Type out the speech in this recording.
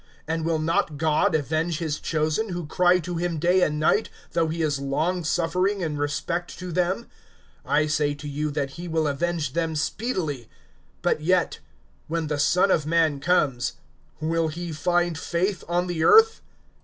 (7)And will not God avenge his chosen, who cry to him day and night, though he is long suffering in respect to them? (8)I say to you, that he will avenge them speedily. But yet, when the Son of man comes, will he find faith on the earth?